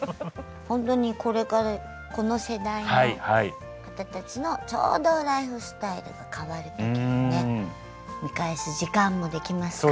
ほんとにこれからこの世代の方たちのちょうどライフスタイルが変わる時にね見返す時間もできますから。